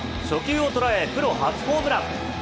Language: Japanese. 初球をとらえ、プロ初ホームラン。